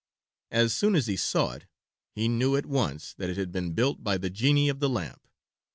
As soon as he saw it he knew at once that it had been built by the genie of the lamp.